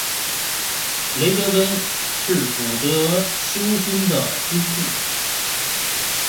雷德温是古德休郡的郡治。